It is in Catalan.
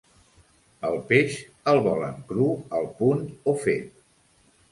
El peix, el volen cru, al punt o fet?